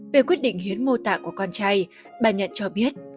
về quyết định hiến mô tạ của con trai bà nhận cho biết